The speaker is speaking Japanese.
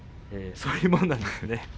そういうものなんですね。